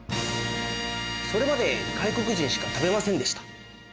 それまで外国人しか食べませんでした。